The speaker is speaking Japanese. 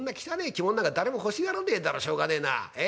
着物なんか誰も欲しがらねえだろしょうがねえな。え？